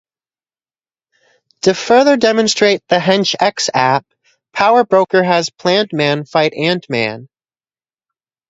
To further demonstrate the Hench X App, Power Broker has Plantman fight Ant-Man.